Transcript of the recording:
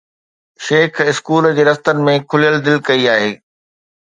Shaikh school جي رستن ۾ کليل دل ڪٿي آهي؟